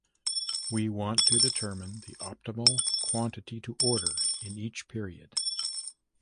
We want to determine the optimal quantity to order in each period.